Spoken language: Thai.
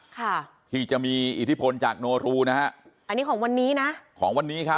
ค่ะที่จะมีอิทธิพลจากโนรูนะฮะอันนี้ของวันนี้นะของวันนี้ครับ